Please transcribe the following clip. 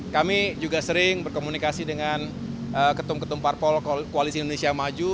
kami juga sering berkomunikasi dengan ketum ketum parpol koalisi indonesia maju